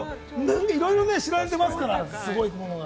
いろいろ知られていますから、すごいものが。